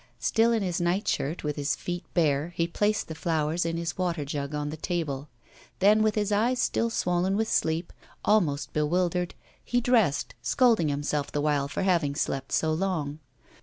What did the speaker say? Still in his nightshirt, with his feet bare, he placed the flowers in his water jug on the table. Then, with his eyes still swollen with sleep, almost bewildered, he dressed, scolding himself the while for having slept so long.